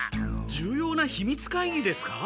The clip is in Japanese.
重要なひみつ会議ですか？